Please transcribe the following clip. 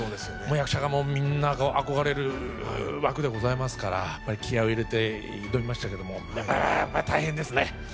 役者がみんな憧れる枠でございますからやっぱり気合いを入れて挑みましたけどもやっぱ大変ですね